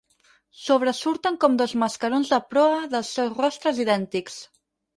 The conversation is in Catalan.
Sobresurten com dos mascarons de proa dels seus rostres idèntics.